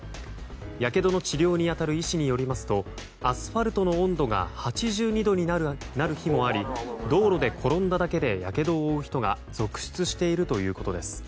やけどの治療に当たる医師によりますとアスファルトの温度が８２度になる日もあり道路で転んだだけでやけどを負う人が続出しているということです。